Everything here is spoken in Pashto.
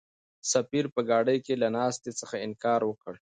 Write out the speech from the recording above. سفیر په ګاډۍ کې له ناستې څخه انکار وکړ.